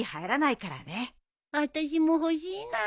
私も欲しいな。